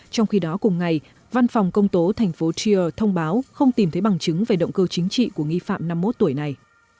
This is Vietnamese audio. trong khi đó cùng ngày văn phòng công tố thành phố chio thông báo không tìm thấy bằng chứng về động cơ chính trị của nghi phạm năm mươi một tuổi này